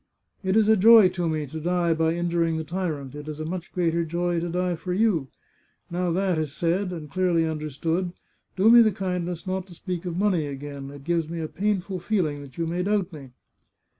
" It is a joy to me to die by injuring the tyrant ; it is a much greater joy to die for you. Now that is said, and clearly understood, do me the kindness not to speak of money again. It gives me a painful feeling that you may doubt me."